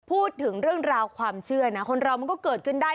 พูดถึงเรื่องราวความเชื่อนะคนเรามันก็เกิดขึ้นได้